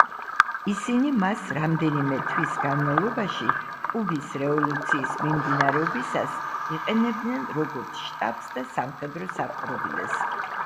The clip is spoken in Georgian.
ისინი მას რამდენიმე თვის განმავლობაში, კუბის რევოლუციის მიმდინარეობისას, იყენებდნენ როგორც შტაბს და სამხედრო საპყრობილეს.